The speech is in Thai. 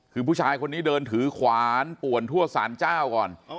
คือผู้ชายคนนี้เดินถือขวานป่วนทั่วสารเจ้าก่อน